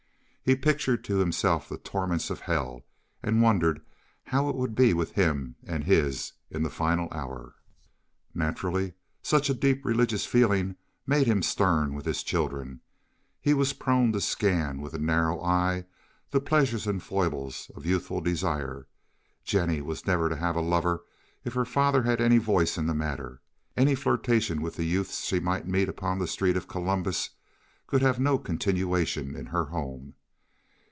He pictured to himself the torments of hell, and wondered how it would be with him and his in the final hour. Naturally, such a deep religious feeling made him stern with his children. He was prone to scan with a narrow eye the pleasures and foibles of youthful desire. Jennie was never to have a lover if her father had any voice in the matter. Any flirtation with the youths she might meet upon the streets of Columbus could have no continuation in her home.